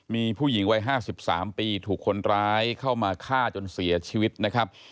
มีผู้หญิงวัย๕๓ปีถูกคนร้ายเข้ามาฆ่าจนเสียชีวิตนะครับ